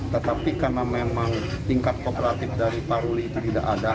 tetapi karena memang tingkat kooperatif dari pak ruli itu tidak ada